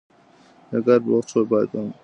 د کار پر وخت ټول پام باید کار ته وي.